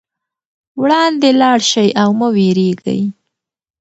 وړاندې لاړ شئ او مه وېرېږئ.